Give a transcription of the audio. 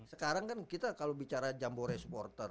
sekarang kan kita kalau bicara jambore supporter